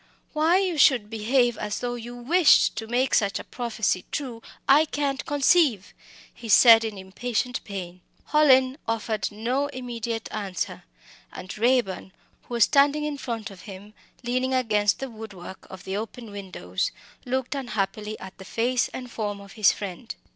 "Why you should behave as though you wished to make such a prophecy true I can't conceive!" he said in impatient pain. Hallin offered no immediate answer, and Raeburn, who was standing in front of him, leaning against the wood work of the open window, looked unhappily at the face and form of his friend.